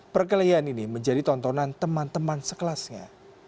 perkelahian ini menjadi tontonan teman teman sekelasnya